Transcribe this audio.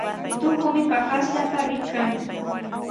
Tukumi paqaspalla rikan.